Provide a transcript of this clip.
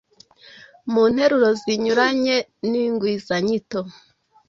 mu nteruro zinyuranye, ni ingwizanyito: